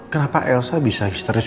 kenapa elsa bisa histeris